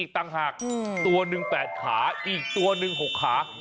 ตัวนึง๘ขาอีกตัวนึง๖ขา